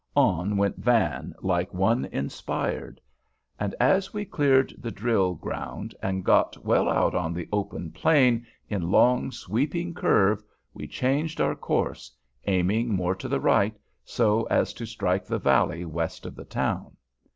On went Van like one inspired, and as we cleared the drill ground and got well out on the open plain in long sweeping curve, we changed our course, aiming more to the right, so as to strike the valley west of the town.